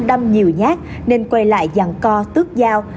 đâm nhiều nhát nên quay lại dàn co tước dao